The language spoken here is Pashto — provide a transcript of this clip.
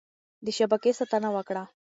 د شبکې ساتنه وکړه.